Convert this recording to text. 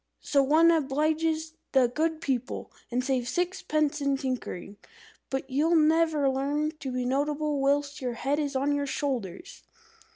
So one obliges the Good People, and saves sixpence in tinkering. But you'll never learn to be notable whilst your head is on your shoulders."